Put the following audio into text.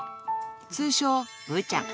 通称ぶーちゃん。